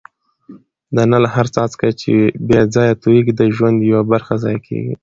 د نل هر څاڅکی چي بې ځایه تویېږي د ژوند یوه برخه ضایع کوي.